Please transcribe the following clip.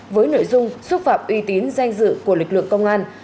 với nội dung xúc phạm uy tín danh dự của lực lượng công an